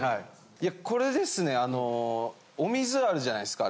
いやこれですねお水あるじゃないですか。